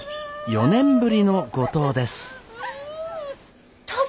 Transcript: ４年ぶりの五島です。